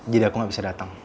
jadi aku gak bisa dateng